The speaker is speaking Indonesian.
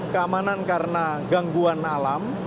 keamanan karena gangguan alam